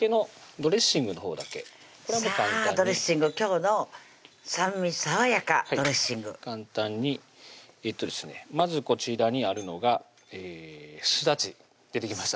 ドレッシング簡単にまずこちらにあるのがすだち出てきました